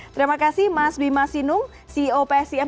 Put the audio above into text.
terima kasih mas bima sinung ceo pscm